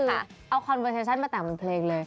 นี่คือเอาคอนเวอร์เซชั่นมาต่ำเพลงเลย